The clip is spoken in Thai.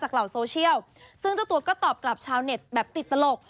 เหล่าโซเชียลซึ่งเจ้าตัวก็ตอบกลับชาวเน็ตแบบติดตลก